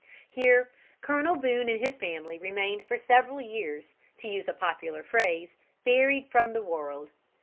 Here Colonel Boone and his family remained for several years, to use a popular phrase, buried from the world.